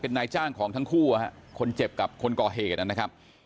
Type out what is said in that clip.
นายจ้างของทั้งคู่คนเจ็บกับคนก่อเหตุนะครับ